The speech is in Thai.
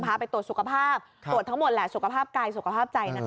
ไปตรวจสุขภาพตรวจทั้งหมดแหละสุขภาพกายสุขภาพใจนะคะ